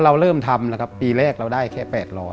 เราเริ่มทำนะครับปีแรกเราได้แค่๘๐๐